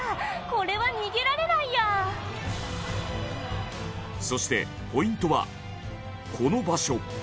これは逃げられないやそしてポイントは、この場所